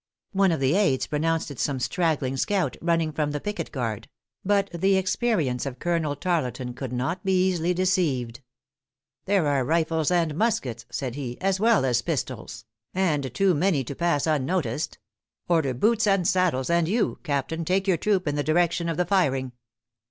One of the aids pronounced it some straggling scout, running from the picket guard; but the experience of Colonel Tarleton could not be easily deceived. "There are rifles and muskets," said he, "as well as pistols; and too many to pass unnoticed. Order boots and saddles, and you Captain, take your troop in the direction of the firing."